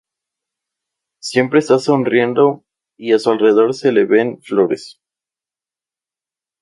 Siempre está sonriendo y a su alrededor se le ven flores.